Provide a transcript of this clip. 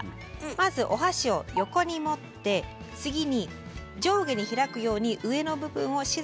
まずお箸を横に持って次に上下に開くように上の部分を静かに引っ張って割ります。